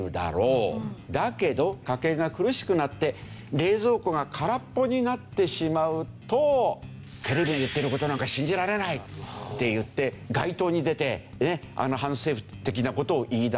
だけど家計が苦しくなって冷蔵庫が空っぽになってしまうとテレビで言ってる事なんか信じられないっていって街頭に出て反政府的な事を言い出すようになるんじゃないか。